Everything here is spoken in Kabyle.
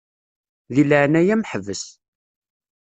Di leɛnaya-m ḥbes.